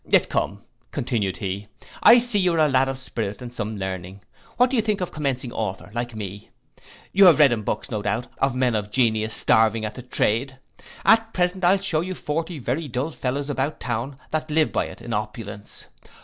Yet come, continued he, I see you are a lad of spirit and some learning, what do you think of commencing author, like me? You have read in books, no doubt, of men of genius starving at the trade: At present I'll shew you forty very dull fellows about town that live by it in opulence.